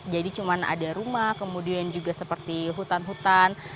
cuma ada rumah kemudian juga seperti hutan hutan